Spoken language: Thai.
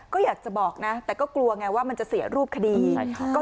ก็อยากจะบอกนะแต่ก็กลัวไงว่ามันจะเสียรูปคดีใช่ค่ะ